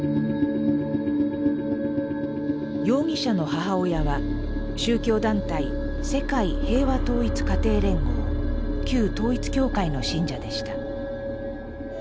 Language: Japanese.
容疑者の母親は宗教団体世界平和統一家庭連合旧統一教会の信者でした。